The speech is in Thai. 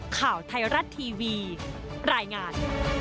ข่าวไทยรัฐทีวีรายงาน